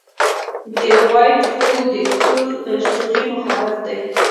د وائټ هول د تور سوري مخالف دی.